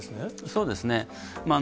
そうですね。